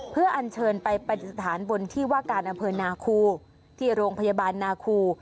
เพื่ออัญเชิญไปปฏิสถานบนที่ว่าการอำเภอนาคูที่โรงพยาบาลนาคู